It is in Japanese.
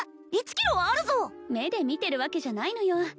１キロはあるぞ目で見てるわけじゃないのよ